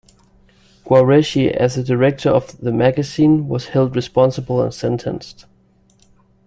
Guareschi, as the director of the magazine, was held responsible and sentenced.